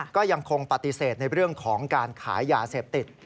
ก็ยังคงปฏิเสธในเรื่องของการขายยาเสพติด